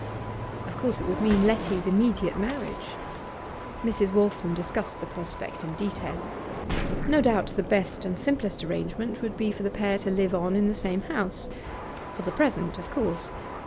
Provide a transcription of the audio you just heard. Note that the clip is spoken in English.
Of course it would mean Letty's immediate marriage. Mrs. Waltham discussed the prospect in detail. No doubt the best and simplest arrangement would be for the pair to live on in the same house. For the present, of course.